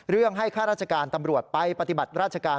เรื่องให้ข้าราชการตำรวจไปปฏิบัติราชการ